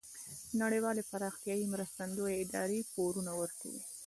نړیوالې پراختیایې مرستندویه ادارې پورونه ورکوي.